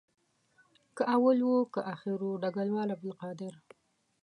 که اول وو که آخر ډګروال عبدالقادر.